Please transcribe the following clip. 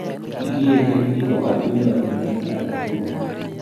kikiete biik koba tuyiotinwek age tugul